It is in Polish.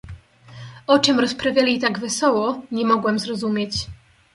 "O czem rozprawiali tak wesoło, nie mogłem zrozumieć."